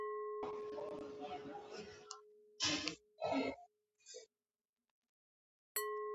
The cluster of wool fibres is made by a cluster of follicles.